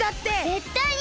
ぜったいに！